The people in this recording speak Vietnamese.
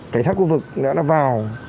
cảnh sát khu vực đã vào